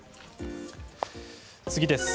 次です。